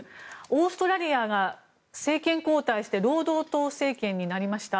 オーストラリアが政権交代して労働党政権になりました。